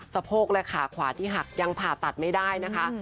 โพกและขาขวาที่หักยังผ่าตัดไม่ได้นะคะ